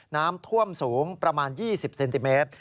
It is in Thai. น้ำท่วมสูงประมาณ๒๐เซนติเมตร